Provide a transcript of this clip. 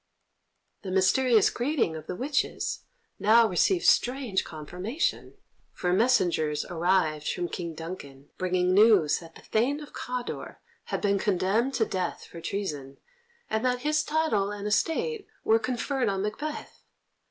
The mysterious greeting of the witches now received strange confirmation, for messengers arrived from King Duncan, bringing news that the Thane of Cawdor had been condemned to death for treason, and that his title and estate were conferred on Macbeth.